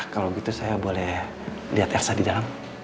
kalau begitu saya boleh lihat elsa di dalam